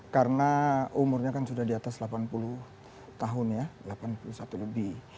karena umurnya kan sudah di atas delapan puluh tahun ya delapan puluh satu lebih